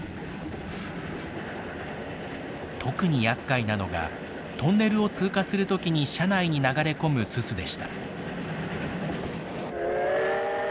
特にやっかいなのがトンネルを通過する時に車内に流れ込むススでした。